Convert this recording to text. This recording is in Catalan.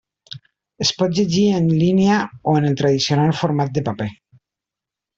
Es pot llegir en línia o en el tradicional format de paper.